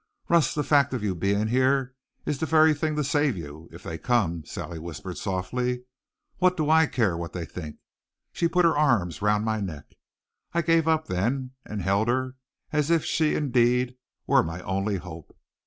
"Russ, the fact of your being here is the very thing to save you if they come," Sally whispered softly. "What do I care what they think?" She put her arms round my neck. I gave up then and held her as if she indeed were my only hope.